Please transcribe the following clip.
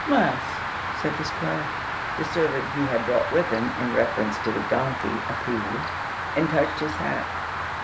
"Miles!" said the Squire. The servant he had brought with him in reference to the donkey appeared, and touched his hat.